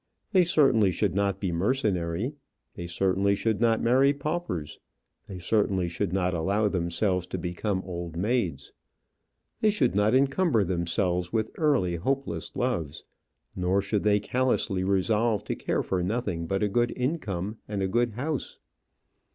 They certainly should not be mercenary; they certainly should not marry paupers; they certainly should not allow themselves to become old maids. They should not encumber themselves with early, hopeless loves; nor should they callously resolve to care for nothing but a good income and a good house.